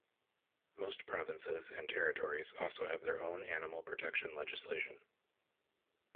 Most provinces and Territories also have their own animal protection legislation.